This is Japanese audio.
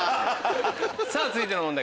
さぁ続いての問題